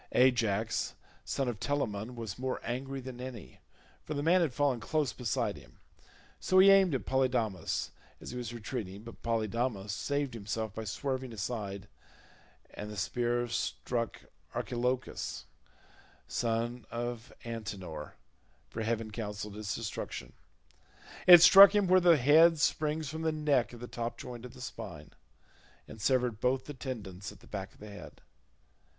Ajax son of Telamon was more angry than any, for the man had fallen close beside him; so he aimed at Polydamas as he was retreating, but Polydamas saved himself by swerving aside and the spear struck Archelochus son of Antenor, for heaven counselled his destruction; it struck him where the head springs from the neck at the top joint of the spine, and severed both the tendons at the back of the head.